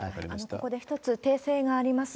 ここで１つ、訂正があります。